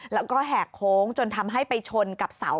แล้วก็แหกโค้งจนทำให้ไปชนกับเสา